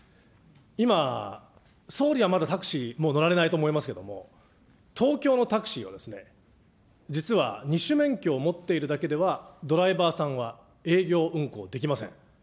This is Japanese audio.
今、総理はまだタクシー、もう乗られないと思いますけれども、東京のタクシーはですね、実は２種免許を持っているだけではドライバーさんは営業運行できません。